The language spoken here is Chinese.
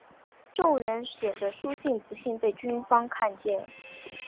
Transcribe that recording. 众人写的书信不幸被军方看见。